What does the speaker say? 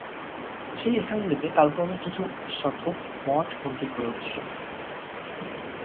সেই স্থানগুলিতে কালক্রমে কিছু সত্র, মঠ-মন্দির ইত্যাদি গড়ে উঠেছিল।